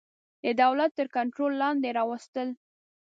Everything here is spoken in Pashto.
د دولت تر کنټرول لاندي راوستل.